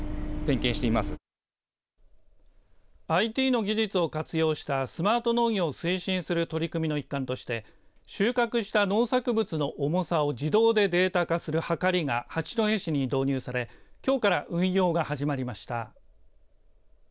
ＩＴの技術を活用したスマート農業を推進する取り組みの一環として収穫した農作物の重さを自動でデータ化するはかりが八戸市に導入されきょうから運用が始まりました。